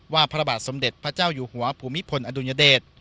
พระบาทสมเด็จพระเจ้าอยู่หัวภูมิพลอดุญเดช